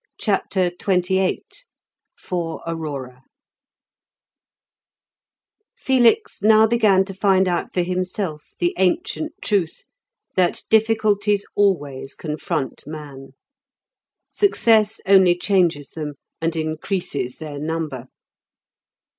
CHAPTER XXVIII FOR AURORA Felix now began to find out for himself the ancient truth, that difficulties always confront man. Success only changes them, and increases their number.